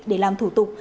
để làm thủ tục